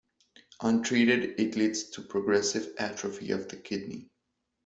Untreated, it leads to progressive atrophy of the kidney.